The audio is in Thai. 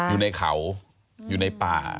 อยู่ในเขาอยู่ในป่า